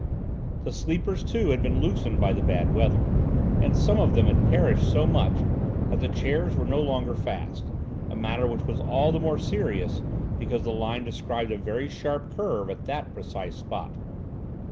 The sleepers, too, had been loosened by the bad weather, and some of them had perished so much that the chairs were no longer fast, a matter which was all the more serious because the line described a very sharp curve at that precise spot.